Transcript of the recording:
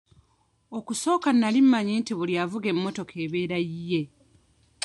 Okusooka nali mmanyi nti buli avuga emmotoka ebeera yiye.